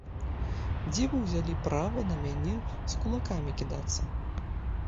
Дзе вы ўзялі права на мяне з кулакамі кідацца?